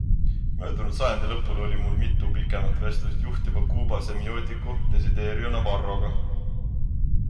Möödunud sajandi lõpul oli mul mitu pikemat vestlust juhtiva Kuuba semiootiku Desiderio Navarroga.